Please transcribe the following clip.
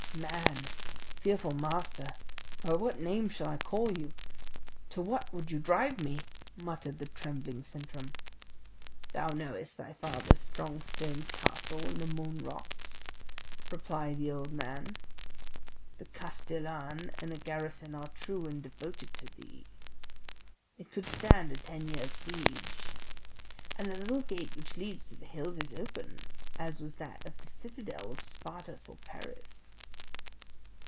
"Man, fearful Master, by what name shall I call you? To what would you drive me?" muttered the trembling Sintram. "Thou knowest thy father's strong stone castle on the Moon rocks?" replied the old man. "The castellan and the garrison are true and devoted to thee. It could stand a ten years' siege; and the little gate which leads to the hills is open, as was that of the citadel of Sparta for Paris."